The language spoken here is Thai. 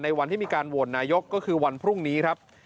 วันที่มีการโหวตนายกก็คือวันพรุ่งนี้ครับ